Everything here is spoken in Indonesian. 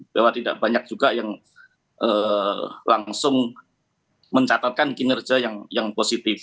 bahwa tidak banyak juga yang langsung mencatatkan kinerja yang positif